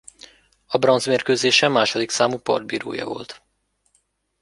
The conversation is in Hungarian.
A bronz mérkőzésen második számú partbírója volt.